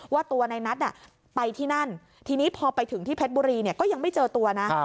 ว่าตัวในนัทไปที่นั่นทีนี้พอไปถึงที่เพชรบุรีก็ยังไม่เจอตัวนะ